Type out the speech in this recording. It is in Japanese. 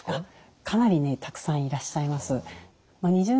かなりたくさんいらっしゃいます。